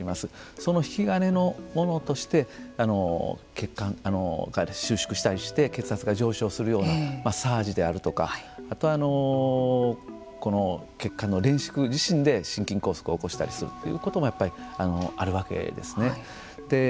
その引き金のものとして血管が収縮したりして血圧が上昇するようなサージであるとかあと、血管の連縮自身で心筋梗塞を起こしたりするということもあるわけですね。